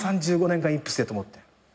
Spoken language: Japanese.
３５年間イップスでと思って。